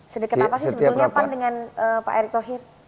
sedekat apa sih sebetulnya pan dengan pak erick thohir